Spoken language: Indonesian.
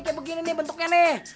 kayak begini bentuknya nih